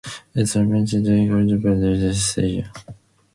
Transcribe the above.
Its amenities include Vinderen station.